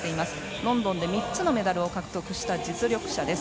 ロンドンで３つのメダルを獲得した実力者です。